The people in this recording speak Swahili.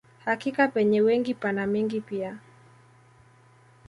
Hakika penye wengi pana mengi pia